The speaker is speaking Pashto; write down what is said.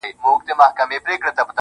والله ه چي په تا پسي مي سترگي وځي.